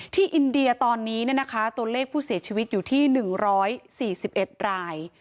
อินเดียตอนนี้ตัวเลขผู้เสียชีวิตอยู่ที่๑๔๑ราย